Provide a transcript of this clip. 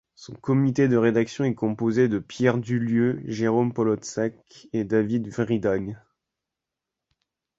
Son comité de rédaction est composé de Pierre Dulieu, Jérôme Poloczek et David Vrydaghs.